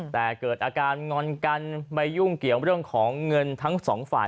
แต่เกิดอาการงอนกันไปยุ่งเกี่ยวเรื่องของเงินทั้งสองฝ่าย